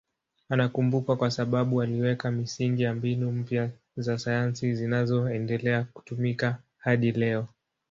Anakumbukwa kwa sababu aliweka misingi ya mbinu mpya za sayansi zinazoendelea kutumika hadi leo.